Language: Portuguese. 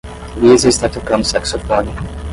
Lisa está tocando saxofone.